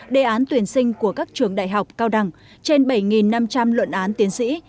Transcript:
đề án tuyển sinh của các trường đại học cao đẳng trên bảy năm trăm linh luận án tiến sĩ